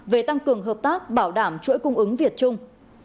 về tăng cường hợp tác bảo đảm chuỗi cung ứng việt trung